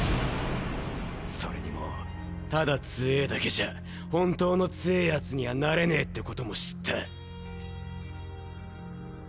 それにもうただ強ぇだけじゃ本当の強ぇ奴にはなれねってことも知った。